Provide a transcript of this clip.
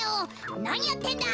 「なにやってんだ。